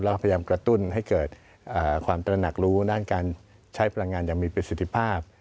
พยายามกระตุ้นให้เกิดความตระหนักรู้ด้านการใช้พลังงานอย่างมีประสิทธิภาพ